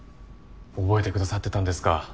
覚えてくださってたんですか。